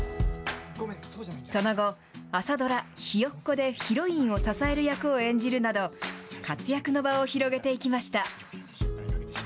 その後、朝ドラ、ひよっこでヒロインを支える役を演じるなど、活躍の場を広げていきました。